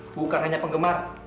bukan hanya penggemar